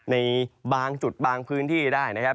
ในบางจุดบางพื้นที่ได้นะครับ